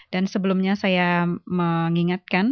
dan sebelumnya saya mengingatkan